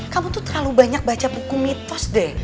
kamu tuh terlalu banyak baca buku mitos deh